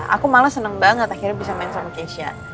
aku malah seneng banget akhirnya bisa main sama keisha